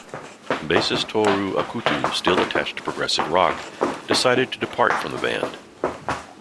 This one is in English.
Bassist Tohru Akutu, still attached to progressive rock, decided to depart from the band.